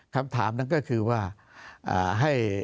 คำถามนั้นก็คือว่า